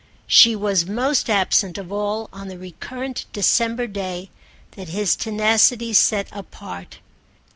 She was most absent of all on the recurrent December day that his tenacity set apart.